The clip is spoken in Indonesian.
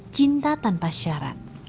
cinta tanpa syarat